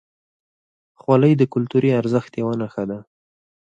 خولۍ د کلتوري ارزښت یوه نښه ده.